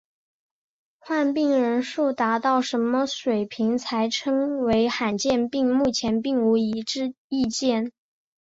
患病人数达什么水平才可称为罕见病目前并无一致意见。